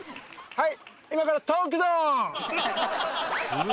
はい。